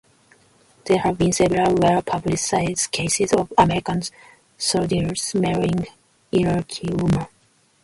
There have been several well-publicized cases of American soldiers marrying Iraqi women.